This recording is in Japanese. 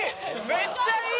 めっちゃいい！